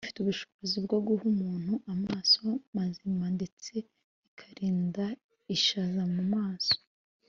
Ifite ubushobozi bwo guha umuntu amaso mazima ndetse ikarinda ishaza mu maso